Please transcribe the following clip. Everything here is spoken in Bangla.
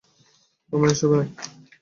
আমি এসবে নাই।